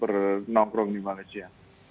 ber nongkrong di malaysia